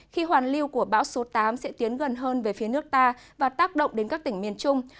khi hoàn lưu của bão số tám sẽ tiến gần hơn về phía nước ta và tác động đến các tỉnh miền trung